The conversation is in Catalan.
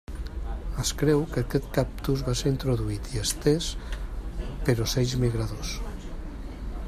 Es creu que aquest cactus va ser introduït i estès per ocells migradors.